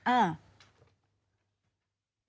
อ้าว